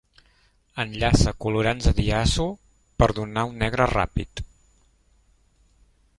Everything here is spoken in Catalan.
Enllaça colorants de diazo per donar un negre ràpid.